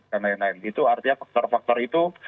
dan lain lain itu artinya faktor faktor itu